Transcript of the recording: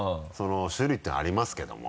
種類っていうのありますけども。